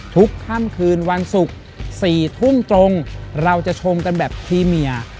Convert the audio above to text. ทุกค่ำคืนวันศุกร์๔ทุ่มตรงเราจะชมกันแบบพรีเมีย